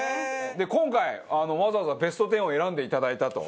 今回わざわざベスト１０を選んでいただいたと。